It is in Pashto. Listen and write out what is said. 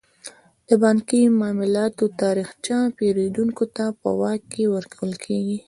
د بانکي معاملاتو تاریخچه پیرودونکو ته په واک کې ورکول کیږي.